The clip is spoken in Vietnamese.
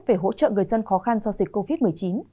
về hỗ trợ người dân khó khăn do dịch covid một mươi chín